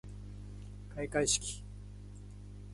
開会式